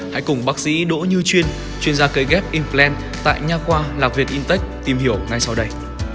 hãy cùng bác sĩ đỗ như chuyên chuyên gia cây ghép implant tại nhà khoa lạc việt intech tìm hiểu ngay sau đây